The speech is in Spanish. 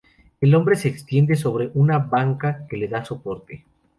El hombre se extiende sobre una banca que le da soporte.